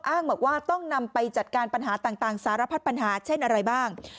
บอกว่าต้องนำไปจัดการปัญหาต่างสารพัดปัญหาเช่นอะไรบ้าง